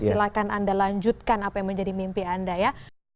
silahkan anda lanjutkan apa yang menjadi mimpi anda ya